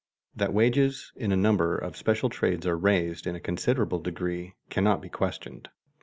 That wages in a number of special trades are raised in a considerable degree cannot be questioned.